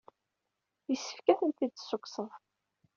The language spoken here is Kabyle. Yessefk ad ten-id-tessukksed.